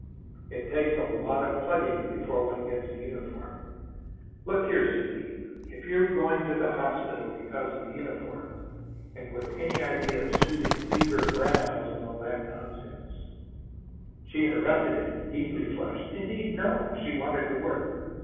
"It takes a lot of plugging before one gets the uniform. Look here, Sidney; if you are going to the hospital because of the uniform, and with any idea of soothing fevered brows and all that nonsense " She interrupted him, deeply flushed. Indeed, no. She wanted to work.